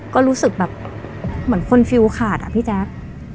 ก็รู้สึกแบบเหมือนคนฟิลขาดอะพี่แจ๊ค